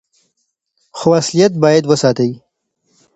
خو اصليت بايد وساتي.